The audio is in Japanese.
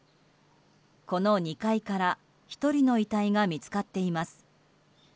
この２階から１人の遺体が見つかっています。